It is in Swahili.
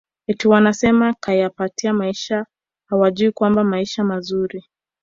eti wanasema kayapatia maisha hawajui kwamba maisha mazuri